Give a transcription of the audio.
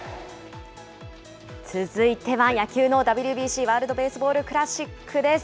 続いては野球のＷＢＣ・ワールドベースボールクラシックです。